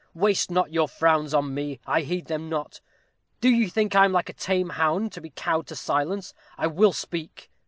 Waste not your frowns on me I heed them not. Do you think I am like a tame hound, to be cowed to silence? I will speak.